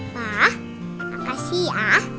pa makasih ya